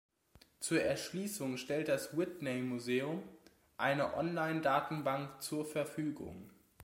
Zur Erschließung stellt das Whitney Museum eine Online-Datenbank zur Verfügung.